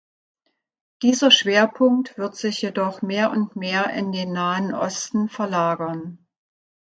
Dieser Schwerpunkt wird sich jedoch mehr und mehr in den Nahen Osten verlagern.